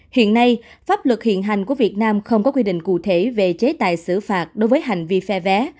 hiện nay pháp luật hiện hành của việt nam không có quy định cụ thể về chế tài xử phạt đối với hành vi phe vé